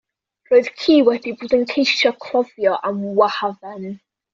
Roedd ci wedi bod yn ceisio cloddio am wahadden.